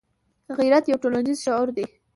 غیرت یو ټولنیز شعور دی